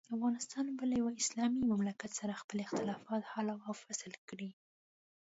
افغانستان به له یوه اسلامي مملکت سره خپل اختلافات حل او فصل کړي.